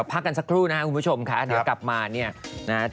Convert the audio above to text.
พักกันสักครู่นะครับคุณผู้ชมค่ะเดี๋ยวกลับมาเนี่ยนะฮะ